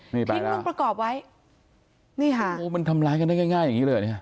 ทิ้งลุงประกอบไว้มันทำร้ายกันได้ง่ายอย่างนี้เลย